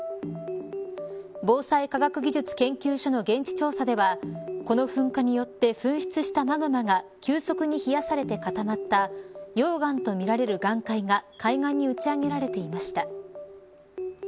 防災科学技術研究所の現地調査では、この噴火によって噴出したマグマが急速に冷やされて固まった溶岩とみられる岩塊が海岸に打ち上げられていました。